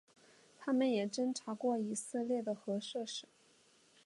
它们也侦察过以色列的核设施。